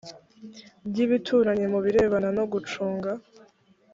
by ibituranyi mu birebana no gucunga